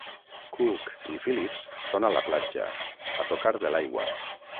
Cook i Philips són a la platja, a tocar de l'aigua.